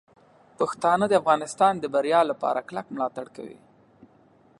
پښتانه د افغانستان د بریا لپاره کلک ملاتړ کوي.